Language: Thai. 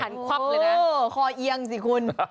เออหันควับเลยนะโอ้โหคอเอียงสิคุณ